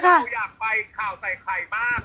หนูอยากไปข่าวใส่ไข่มาก